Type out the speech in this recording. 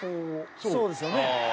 そうですよね。